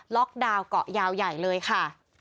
ดาวน์เกาะยาวใหญ่เลยค่ะ